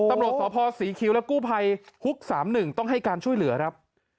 ตำลดสตศรีคิวและกู้ไพรฮุกสามหนึ่งต้องให้การช่วยเหลือครับ